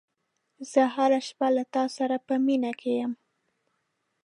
زه هره شېبه له تا سره په مینه کې یم.